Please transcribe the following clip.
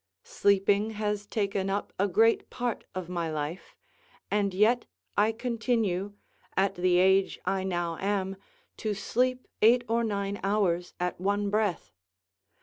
Sleeping has taken up a great part of my life, and I yet continue, at the age I now am, to sleep eight or nine hours at one breath.